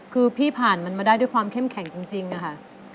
คือพี่ผ่านมันมาได้ด้วยความเข้มแข็งจริงอะค่ะ